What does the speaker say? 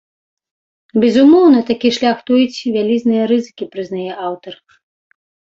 Безумоўна, такі шлях тоіць вялізныя рызыкі, прызнае аўтар.